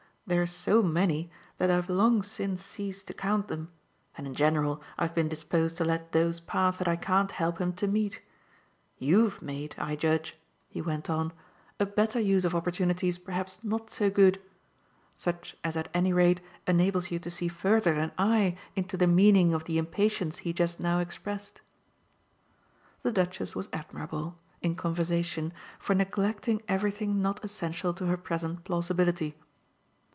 They're so many that I've long since ceased to count them; and in general I've been disposed to let those pass that I can't help him to meet. YOU'VE made, I judge," he went on, "a better use of opportunities perhaps not so good such as at any rate enables you to see further than I into the meaning of the impatience he just now expressed." The Duchess was admirable, in conversation, for neglecting everything not essential to her present plausibility.